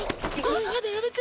やだやめて。